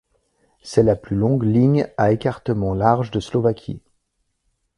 C'est la plus longue ligne à écartement large de Slovaquie.